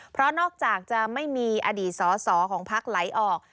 เพราะนอกจากจะไม่มีอดีตสอสอของพักไหลออก